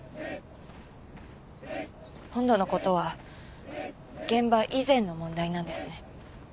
今度のことは現場以前の問題なんですね。